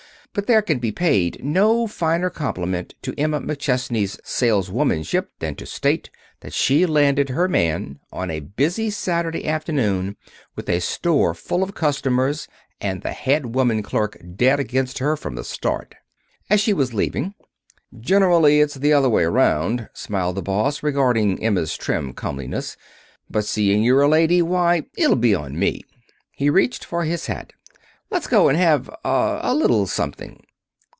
But there can be paid no finer compliment to Emma McChesney's saleswomanship than to state that she landed her man on a busy Saturday afternoon, with a store full of customers and the head woman clerk dead against her from the start.) As she was leaving: "Generally it's the other way around," smiled the boss, regarding Emma's trim comeliness, "but seeing you're a lady, why, it'll be on me." He reached for his hat. "Let's go and have ah a little something."